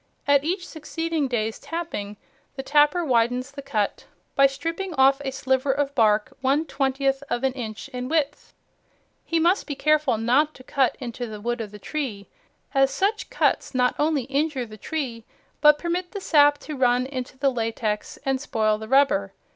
At each succeeding day's tapping the tapper widens the cut by stripping off a sliver of bark one twentieth of an inch in width. He must be careful not to cut into the wood of the tree, as such cuts not only injure the tree but permit the sap to run into the latex and spoil the rubber.